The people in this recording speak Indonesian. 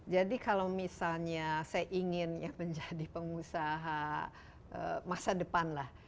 jadi kalau misalnya saya ingin menjadi pengusaha masa depan lah